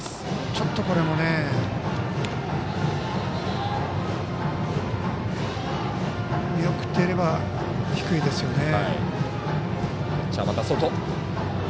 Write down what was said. ちょっとこれも見送っていれば低いですよね。